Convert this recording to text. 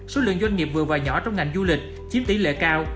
số lượng doanh nghiệp vừa và nhỏ trong ngành du lịch chiếm tỷ lệ cao